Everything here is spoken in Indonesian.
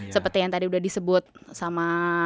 seperti yang tadi udah disebut sama